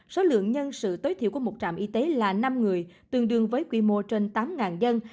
số lượng nhân sự tối thiểu của một trạm y tế là năm người tương đương với quy mô trên tám dân